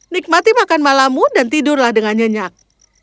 nikmati makan malammu dan tidurlah dengan nyenyak